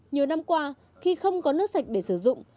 nhiều năm qua khi không có nước sạch để sử dụng